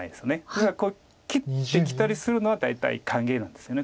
だからこれ切ってきたりするのは大体歓迎なんですよね黒。